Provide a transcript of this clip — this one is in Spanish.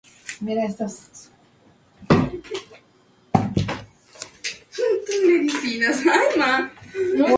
El movimiento social católico mejoró indudablemente la situación del campesino.